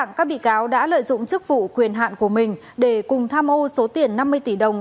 nguyễn văn sơn đã lợi dụng chức vụ quyền hạn của mình để cùng tham mô số tiền năm mươi tỷ đồng